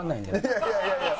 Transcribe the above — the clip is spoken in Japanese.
いやいやいやいや。